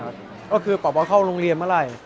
ก็คือบอกเขาลงเรียนเมื่อไร